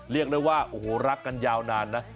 เรียกได้ว่าโอ้โหรักกันยาวนานนะ